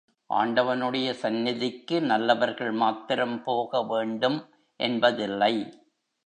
ஆண்டவனுடைய சந்நிதிக்கு நல்லவர்கள் மாத்திரம் போக வேண்டும் என்பதில்லை.